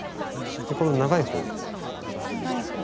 この長い方。